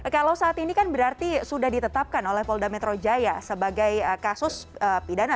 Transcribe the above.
kalau saat ini kan berarti sudah ditetapkan oleh polda metro jaya sebagai kasus pidana